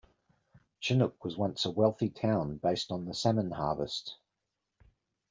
Chinook was once a wealthy town based on the salmon harvest.